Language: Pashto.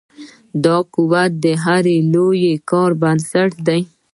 دا قوت د هر لوی کار بنسټ دی.